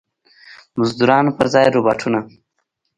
مزدورانو پر ځای روباټونه.